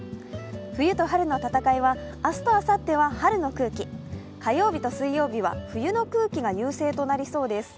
冬と春の戦いは明日とあさっては春の空気、火曜日と水曜日は冬の空気が優勢となりそうです。